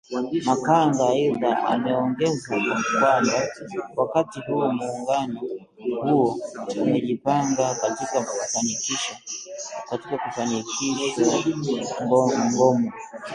Makanga aidha ameongeza kwamba wakati huu muungano huo umejipanga katika kufanikisho mgomo